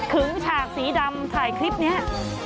ถึงฉากสีดำถ่ายคลิปนี้